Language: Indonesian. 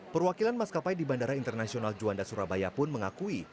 perwakilan maskapai di bandara internasional juanda surabaya pun mengakui